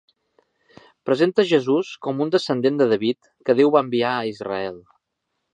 Presenta Jesús com un descendent de David que Déu va enviar a Israel.